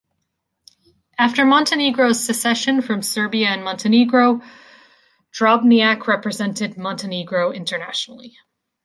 After Montenegro's secession from Serbia and Montenegro, Drobnjak represented Montenegro internationally.